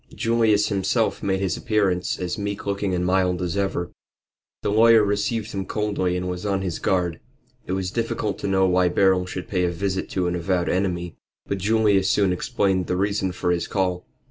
Julius himself made his appearance, as meek looking and mild as ever. The lawyer received him coldly and was on his guard. It was difficult to know why Beryl should pay a visit to an avowed enemy. But Julius soon explained the reason for his call.